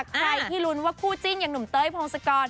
ใครที่ลุ้นว่าคู่จิ้นอย่างหนุ่มเต้ยพงศกร